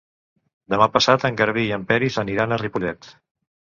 Demà passat en Garbí i en Peris aniran a Ripollet.